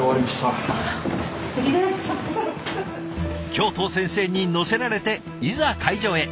教頭先生に乗せられていざ会場へ。